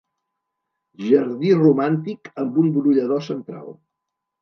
Jardí romàntic amb un brollador central.